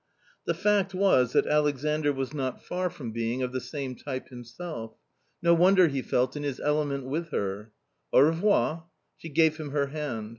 The fact was that Alexandr was not far from being of the same type himself. No wonder he felt in his element with /her. " Au revoir." She gave him her hand.